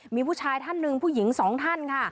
มีผู้ชายท่านหนึ่งผู้หญิงสองท่านค่ะ